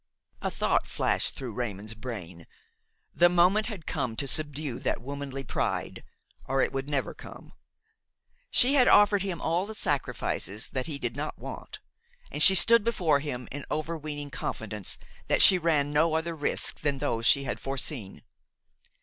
A thought flashed through Raymon's brain. The moment had come to subdue that womanly pride, or it would never come. She had offered him all the sacrifices that he did not want, and she stood before him in overweening confidence that she ran no other risks than those she had foreseen.